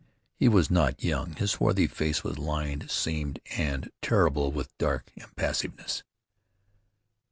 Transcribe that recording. He was not young. His swarthy face was lined, seamed, and terrible with a dark impassiveness.